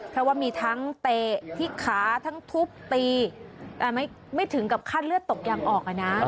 เพราะว่ามีทั้งเตะที่ขาทั้งทุบตีแต่ไม่ถึงกับขั้นเลือดตกยังออกอะนะ